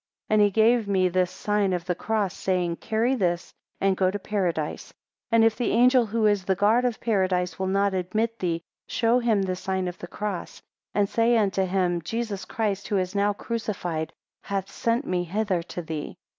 11 And he gave me this sign of the cross, saying, Carry this, and go to Paradise; and if the angel who is the guard of Paradise will not admit thee, show him the sign of the cross, and say unto him Jesus Christ who is now crucified, hath sent me hither to thee.